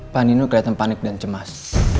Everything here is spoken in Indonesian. pak nino kelihatan panik dan cemas